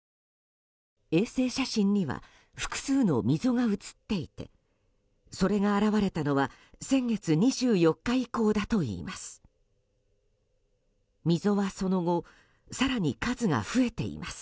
衛星写真には複数の溝が写っていてそれが現れたのは先月２４日以降だといいます。